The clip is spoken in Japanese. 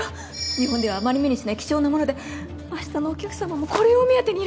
日本ではあまり目にしない貴重なものであしたのお客さまもこれを目当てにいらっしゃるの。